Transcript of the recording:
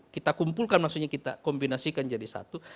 kita kumpulkan maksudnya kita kombinasikan jadi satu